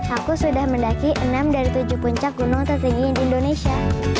aku sudah mendaki enam dari tujuh puncak gunung tertinggi di indonesia